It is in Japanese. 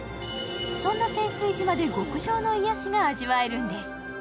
そんな仙酔島で極上の癒しが味わえるんです。